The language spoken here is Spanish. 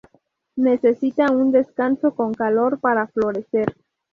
Necesita un descanso con calor para florecer.